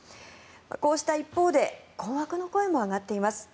こうした一方で困惑の声も上がっています。